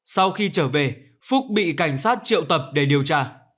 sau khi trở về phúc bị cảnh sát triệu tập để điều tra